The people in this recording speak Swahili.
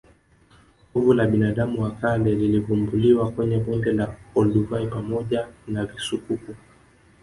Fuvu la binadamu wa kale lilivumbuliwa kwenye bonde la olduvai pamoja na visukuku